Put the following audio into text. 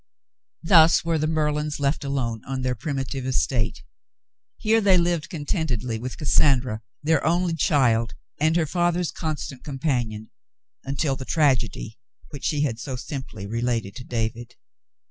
Thus were the Merlins left alone on their primitive estate. Here they lived contentedly with Cassandra, their only child, and her father's constant companion, until the tragedy which she had so simply related to David.